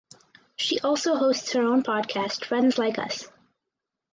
She also hosts her own podcast "Friends Like Us".